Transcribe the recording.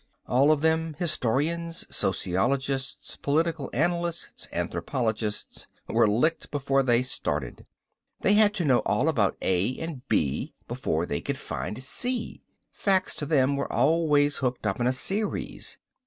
All of them, historians, sociologists, political analysts, anthropologists, were licked before they started. They had to know all about A and B before they could find C. Facts to them were always hooked up in a series.